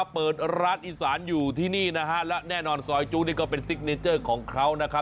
เปิดร้านอิสานอยู่ที่นี่แน่นอนสอยจุ๊เป็นซิกเนเจอร์ของเขา